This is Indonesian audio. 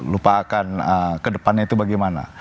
lupakan kedepannya itu bagaimana